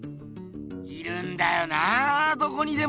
いるんだよなどこにでも！